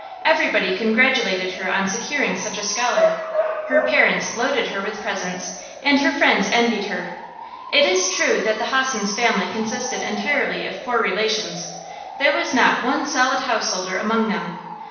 Everybody congratulated her on securing such a scholar, her parents loaded her with presents, and her friends envied her. It is true that the hossen's family consisted entirely of poor relations; there was not one solid householder among them.